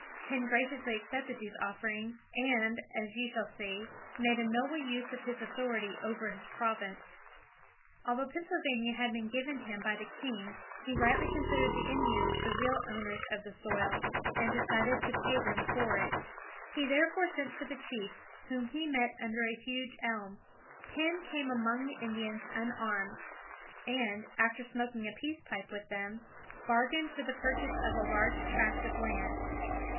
Penn graciously accepted these offerings, and, as you shall see, made a noble use of his authority over his province. Although Pennsylvania had been given him by the king, he rightly considered the Indians the real owners of the soil, and decided to pay them for it. [Illustration: Benjamin West, Artist. Penn's Treaty.] He therefore sent for the chiefs, whom he met under a huge elm. Penn came among the Indians unarmed, and, after smoking a peace pipe with them, bargained for the purchase of a large tract of land.